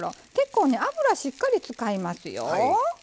結構ね油しっかり使いますよ。